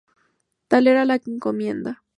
Tal era la encomienda.